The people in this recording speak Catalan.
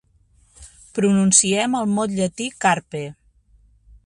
Pronunciem el mot llatí carpe.